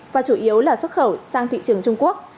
và chủ yếu là xuất khẩu sang thị trường trung quốc